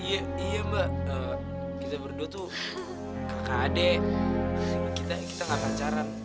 iya iya mbak kita berdua tuh kakak adik kita gak pacaran